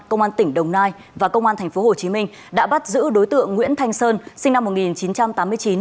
công an tỉnh đồng nai và công an thành phố hồ chí minh đã bắt giữ đối tượng nguyễn thanh sơn sinh năm một nghìn chín trăm tám mươi chín